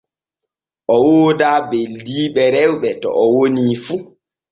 O woodaa beldiiɓe rewɓe to o woni fu.